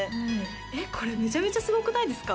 えっこれめちゃめちゃすごくないですか？